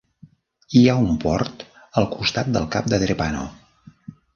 Hi ha un port al costat del cap de Drepano.